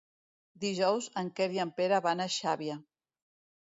Dijous en Quer i en Pere van a Xàbia.